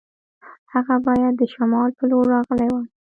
هغه باید د شمال په لور راغلی وای.